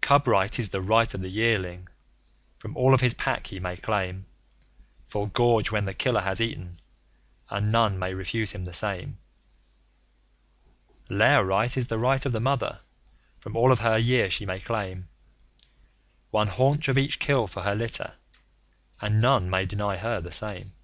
Cub Right is the right of the Yearling. From all of his Pack he may claim Full gorge when the killer has eaten; and none may refuse him the same. Lair Right is the right of the Mother. From all of her year she may claim One haunch of each kill for her litter, and none may deny her the same.